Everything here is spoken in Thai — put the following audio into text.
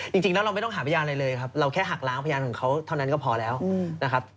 จริงแล้วเราไม่ต้องหาพยานอะไรเลยครับเราแค่หักล้างพยานของเขาเท่านั้นก็พอแล้วนะครับ